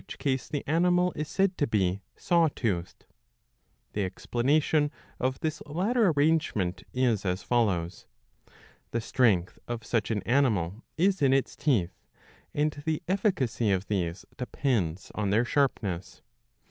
I. case the animal is said to be saw toothed. The explanation of this latter arrangement is as follows. The strength of such an animal is in its teeth, and the efficacy of these depends on their sharpness.